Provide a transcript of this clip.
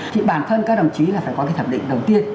thì bản thân các đồng chí là phải có cái thẩm định đầu tiên